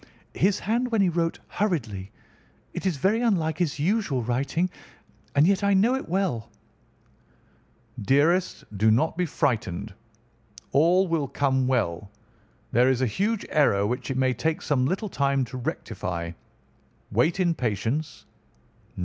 "His hand when he wrote hurriedly. It is very unlike his usual writing, and yet I know it well." "'Dearest do not be frightened. All will come well. There is a huge error which it may take some little time to rectify. Wait in patience.